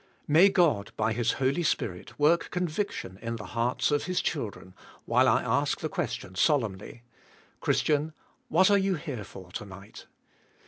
May God, by His Holy Spirit, work conviction in the hearts of His children, while I ask the question solemnly: ''Christian, what are you here for, to night?"